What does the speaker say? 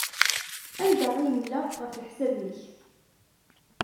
Anda ay nella, ɣef leḥsab-nnek?